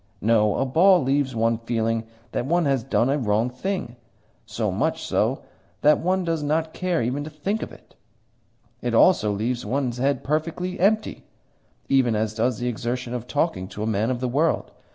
No; a ball leaves one feeling that one has done a wrong thing so much so that one does not care even to think of it. It also leaves one's head perfectly empty, even as does the exertion of talking to a man of the world.